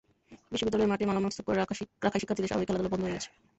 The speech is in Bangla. বিদ্যালয়ের মাঠে মালামাল স্তূপ করে রাখায় শিক্ষার্থীদের স্বাভাবিক খেলাধুলা বন্ধ হয়ে গেছে।